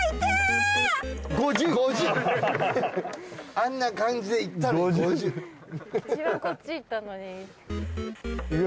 あんな感じでいったのに５０。